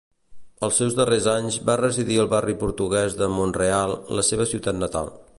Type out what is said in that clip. Els seus darrers anys va residir al barri portuguès de Mont-real, la seva ciutat natal.